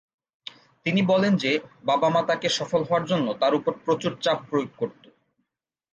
তিনি বলেন যে বাবা-মা তাকে সফল হওয়ার জন্য তার উপর প্রচুর চাপ প্রয়োগ করতো।